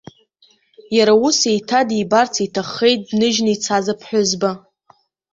Иара ус, еиҭа дибарц иҭаххеит дныжьны ицаз аԥҳәызба.